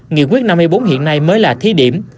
nghị quyết năm mươi bốn hiện nay mới là thí điểm